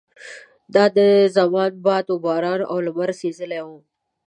دا د زمانو باد وباران او لمر سېزلي وو.